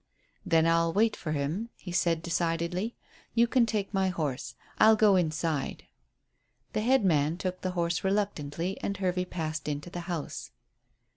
"Then I'll wait for him," he said decidedly. "You can take my horse. I'll go inside." The head man took the horse reluctantly and Hervey passed into the house.